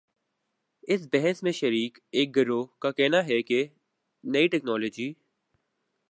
اس بحث میں شریک ایک گروہ کا کہنا ہے کہ نئی ٹیکنالوجی